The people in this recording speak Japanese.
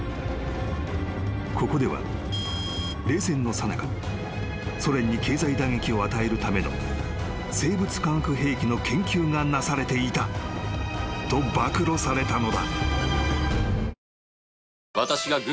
［「ここでは冷戦のさなかソ連に経済打撃を与えるための生物化学兵器の研究がなされていた」と暴露されたのだ］